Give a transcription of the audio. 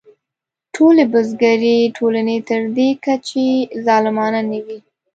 ټولې بزګري ټولنې تر دې کچې ظالمانه نه وې.